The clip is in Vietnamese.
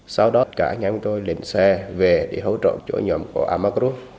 sau đó cả anh em của tôi lên xe về để hỗ trợ chỗ nhóm của amagru